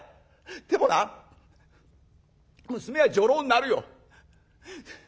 でもな娘は女郎になるよ。